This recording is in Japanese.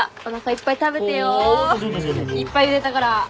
いっぱいゆでたから。